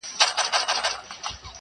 پر لکړه رېږدېدلی-